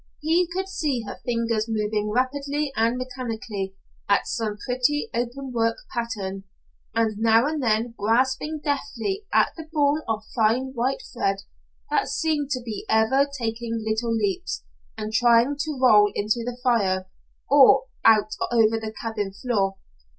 He could see her fingers moving rapidly and mechanically at some pretty open work pattern, and now and then grasping deftly at the ball of fine white thread that seemed to be ever taking little leaps, and trying to roll into the fire, or out over the cabin floor.